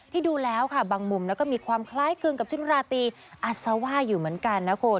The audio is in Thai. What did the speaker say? ดูแล้วค่ะบางมุมก็มีความคล้ายคลึงกับชุดราตีอัศว่าอยู่เหมือนกันนะคุณ